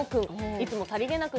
いつも、さり気なく